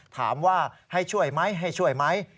ถามว่าให้ช่วยไหมให้ช่วยไหม